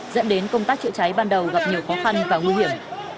dẫn đến công tác chữa cháy ban đầu gặp nhiều khó khăn và nguy hiểm